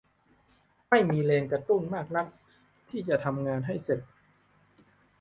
ไม่มีแรงกระตุ้นมากนักที่จะทำงานให้เสร็จ